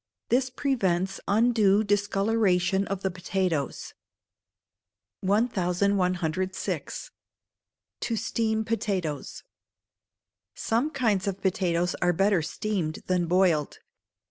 This prevents undue discolouration of the potatoes. 1106. To Steam Potatoes. Some kinds of potatoes are better steamed than boiled.